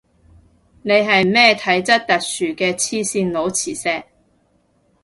你係咩體質特殊嘅黐線佬磁石